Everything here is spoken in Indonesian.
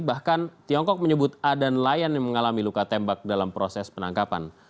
bahkan tiongkok menyebut ada nelayan yang mengalami luka tembak dalam proses penangkapan